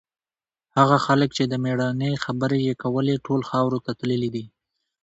هغه خلک چې د مېړانې خبرې یې کولې، ټول خاورو ته تللي دي.